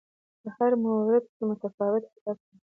په هر مورد کې متفاوت هدف لري